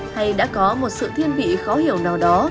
hay đã có một sự thiên vị khó hiểu nào đó